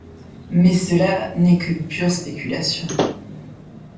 Mais cela n’est que pure spéculation.